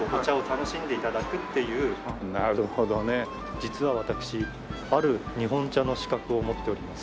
実は私ある日本茶の資格を持っております。